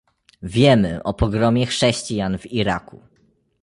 Wiemy o pogromie chrześcijan w Iraku